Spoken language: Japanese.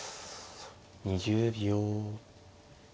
２０秒。